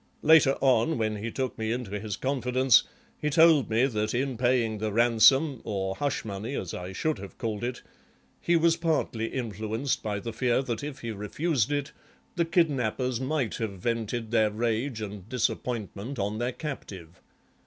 Later on, when he took me into his confidence, he told me that in paying the ransom, or hush money as I should have called it, he was partly influenced by the fear that if he refused it the kidnappers might have vented their rage and disappointment on their captive.